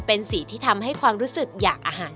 เป็นสีที่ทำให้ความรู้สึกอยากอาหาร